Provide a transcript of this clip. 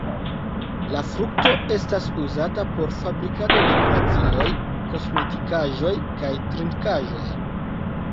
La frukto estas uzata por fabrikado de kuraciloj, kosmetikaĵoj, kaj trinkaĵoj.